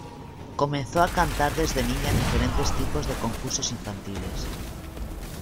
Comenzó a cantar desde niña en diferentes tipos de concursos infantiles.